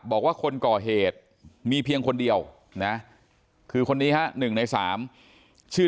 บอกว่าคนก่อเหตุมีเพียงคนเดียวนะคือคนนี้ฮะ๑ใน๓ชื่อ